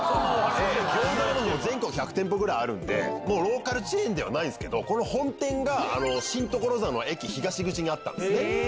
全国１００店舗くらいあるんで、ローカルチェーンではないんですけど、この本店が新所沢の駅東口にあったんです。